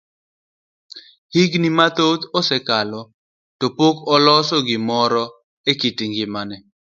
Higni mathoth osekalo to pok oloso gimoro e kit ngimane.